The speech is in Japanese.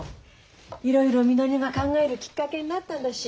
いろいろみのりが考えるきっかけになったんだし。